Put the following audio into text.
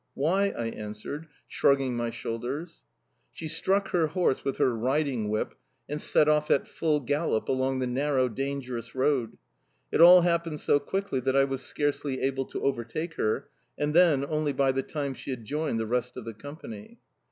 "Why?" I answered, shrugging my shoulders. She struck her horse with her riding whip and set off at full gallop along the narrow, dangerous road. It all happened so quickly that I was scarcely able to overtake her, and then only by the time she had joined the rest of the company.